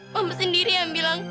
mama sendiri yang bilang